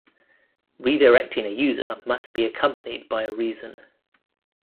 Redirecting a user must be accompanied by a reason.